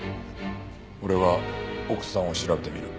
俺は奥さんを調べてみる。